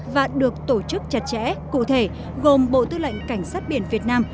và được tổ chức chặt chẽ cụ thể gồm bộ tư lệnh cảnh sát biển việt nam